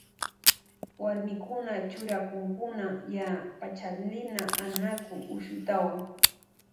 Warmikuna churakunkuna yaa Pachalina, Anaku, Ushutawan.